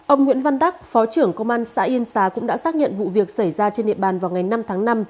ông nguyễn văn đắc phó trưởng công an xã yên xá cũng đã xác nhận vụ việc xảy ra trên địa bàn vào ngày năm tháng năm